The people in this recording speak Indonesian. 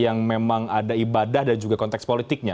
yang memang ada ibadah dan juga konteks politiknya